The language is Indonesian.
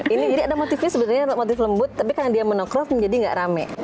ini jadi ada motifnya sebenarnya motif lembut tapi karena dia menokrof menjadi nggak rame